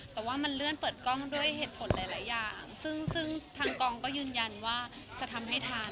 แต่ว่ามันเลื่อนเปิดกล้องด้วยเหตุผลหลายอย่างซึ่งทางกองก็ยืนยันว่าจะทำให้ทาน